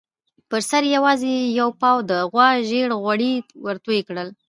پر سر یې یوازې یو پاو د غوا زېړ غوړي ورتوی کړي.